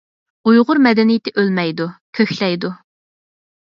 ئۇيغۇر مەدەنىيىتى ئۆلمەيدۇ، كۆكلەيدۇ!